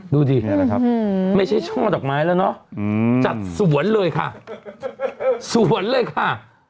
ดูดินะครับไม่ใช่ช่อดอกไม้แล้วเนอะจัดสวนเลยค่ะสวนเลยค่ะ